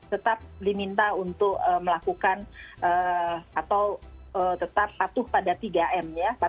tetap diminta untuk melakukan vaksinasi